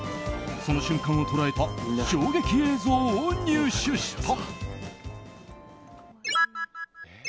その瞬間を捉えた衝撃映像を入手した。